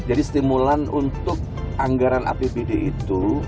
jadi stimulan untuk anggaran apbd itu